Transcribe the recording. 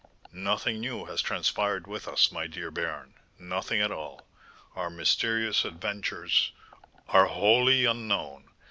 "Nothing new has transpired with us, my dear baron, nothing at all. Our mysterious adventures " "Are wholly unknown.